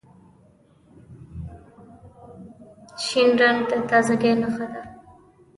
شین رنګ د تازګۍ نښه ده.